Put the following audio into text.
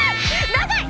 長い！